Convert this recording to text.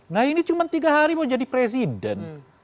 nah ini cuma tiga hari mau jadi presiden